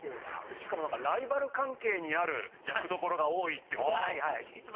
しかもなんかライバル関係にある役どころが多いってことですけども。